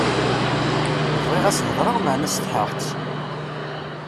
Bɣiɣ ad s-heḍṛeɣ meɛna setḥaɣ-tt.